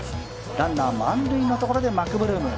ランナー満塁のところでマクブルーム。